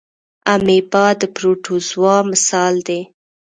امیبا د پروټوزوا مثال دی